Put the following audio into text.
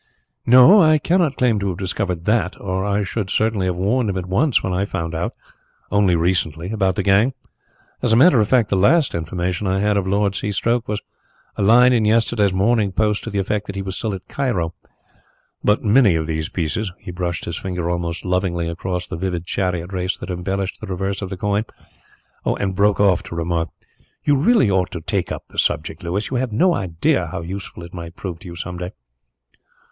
"No, I cannot claim to have discovered that, or I should certainly have warned him at once when I found out only recently about the gang. As a matter of fact, the last information I had of Lord Seastoke was a line in yesterday's Morning Post to the effect that he was still at Cairo. But many of these pieces " He brushed his finger almost lovingly across the vivid chariot race that embellished the reverse of the coin, and broke off to remark: "You really ought to take up the subject, Louis. You have no idea how useful it might prove to you some day."